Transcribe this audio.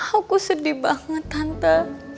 aku sedih banget tante